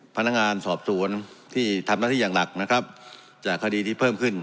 พนักงานสอบสวนที่ทำหน้าที่อย่างหลักนะครับจากคดีที่เพิ่มขึ้น